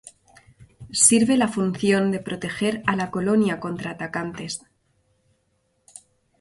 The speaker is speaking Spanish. Sirve la función de proteger a la colonia contra atacantes.